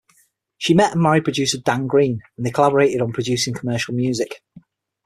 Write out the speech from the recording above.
She met and married producer Dan Green, and they collaborated on producing commercial music.